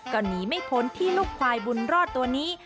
ก็หนีไม่พ้นที่ลูกควายบุญรอดตัวนี้